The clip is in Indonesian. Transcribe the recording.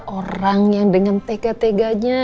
orang yang dengan teka teganya